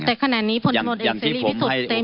แต่ขณะนี้ผลสมุทรเอสซีรีย์พิสุทธิ์